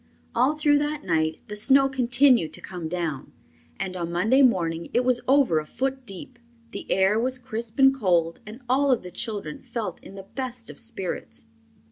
All through that night the snow continued to come down, and on Monday morning it was over a foot deep. The air was crisp and cold and all of the children felt in the best of spirits.